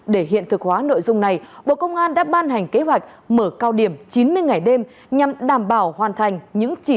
để hiện thực hóa nội dung này bộ công an đã ban hành kế hoạch mở cao điểm chín mươi ngày đêm nhằm đảm bảo hoàn thành những chỉ tiêu